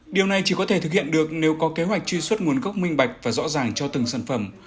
điều này chỉ có thể thực hiện được nếu có kế hoạch truy xuất nguồn gốc minh bạch và rõ ràng cho từng sản phẩm